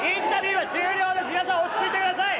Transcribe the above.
皆さん落ち着いてください！